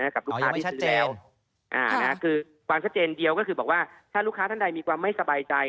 กับลูกค้าที่ซื้อแล้วคือความชัดเจนเดียวก็คือบอกว่าถ้าลูกค้าท่านใดมีความไม่สบายใจ